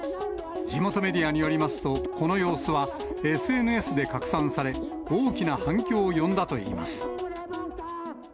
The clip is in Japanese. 地元メディアによりますと、この様子は、ＳＮＳで拡散され、大きな反響を呼んだといいます。